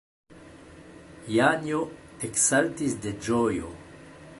Janjo eksaltis de ĝojo.